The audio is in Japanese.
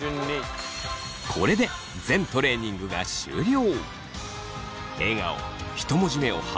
これで全トレーニングが終了。